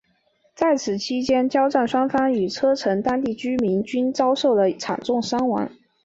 在此期间交战双方与车臣当地居民均遭受了惨重伤亡。